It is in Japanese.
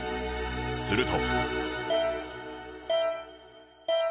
すると